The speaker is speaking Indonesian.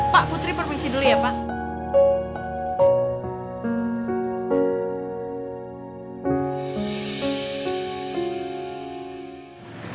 pak putri provinsi dulu ya pak